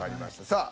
さあ。